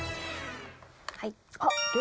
はい。